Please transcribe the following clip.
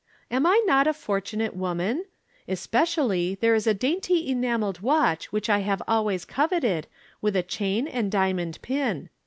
Am I not a fortunate woman ? Especially, there is a dainty enameled watch which I have always coveted, with a chain and diamond pin.